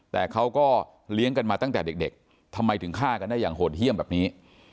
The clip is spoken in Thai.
แต่เขาก็เลี้ยงกันมาตั้งแต่เด็กทำไมถึงฆ่ากันได้อย่างโหดเยี่ยมแบบนี้